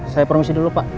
saya permisi dulu pak